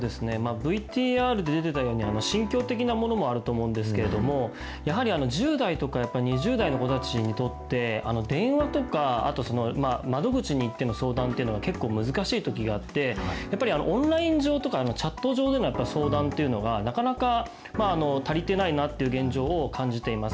ＶＴＲで出てたように、心境的なものもあると思うんですけれども、やはり１０代とか２０代の子たちにとって、電話とか窓口に行っての相談っていうのは結構難しいときがあって、やっぱりオンライン上とか、チャット上での相談っていうのが、なかなか足りてないなという現状を感じています。